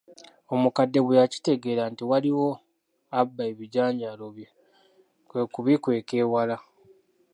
Omukadde bwe yakitegeera nti waliwo abba ebijanjaalo bye kwe kubikweka ewala.